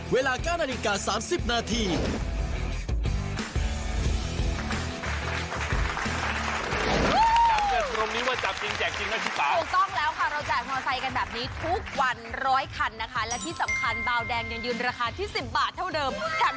เวลาการณิกา๓๐นาที